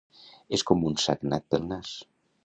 És com un sagnat pel nas.